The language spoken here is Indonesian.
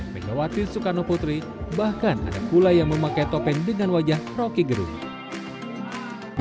pegawatin sukarno putri bahkan ada pula yang memakai topeng dengan wajah roki geruk